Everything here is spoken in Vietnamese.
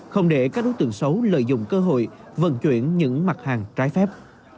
không để các đối tượng xấu lợi dụng cơ hội vận chuyển những mặt hàng trái phép